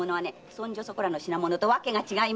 そんじょそこらの品物とわけが違いますよ！